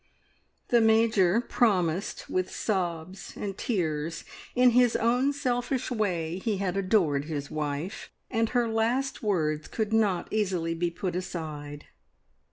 The Major promised with sobs and tears. In his own selfish way he had adored his wife, and her last words could not easily be put aside.